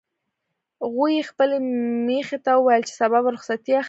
غویي خپلې میښې ته وویل چې سبا به رخصتي اخلي.